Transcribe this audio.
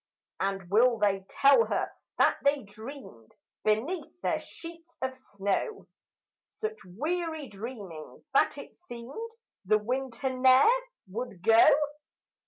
And will they tell her that they dreamed, Beneath their sheets of snow, Such weary dreamings that it seemed The winter ne'er would go?